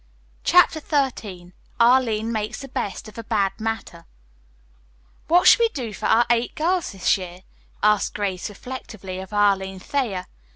CHAPTER XIII ARLINE MAKES THE BEST OF A BAD MATTER "What shall we do for our eight girls this year?" asked Grace reflectively of Arline Thayer.